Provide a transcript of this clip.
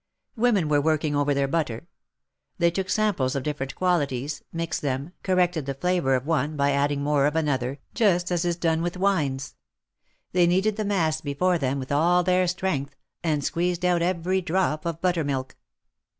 Women were working over their butter. They took samples of different qualities, mixed them, corrected the flavor of one by adding more of another, just as is done with wines. They kneaded the mass before them with all their strength, and squeezed out every drop of butter milk.